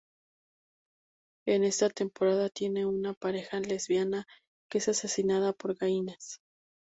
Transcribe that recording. En esta temporada tiene una pareja lesbiana que es asesinada por Gaines.